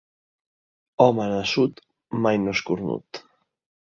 Home nassut mai no és cornut.